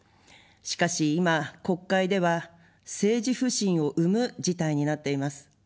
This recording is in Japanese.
しかし今、国会では政治不信を生む事態になっています。